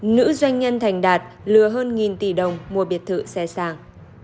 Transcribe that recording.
nữ doanh nhân thành đạt lừa hơn nghìn tỷ đồng mua biệt thự xe sang